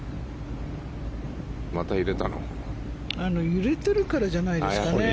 揺れてるからじゃないですかね。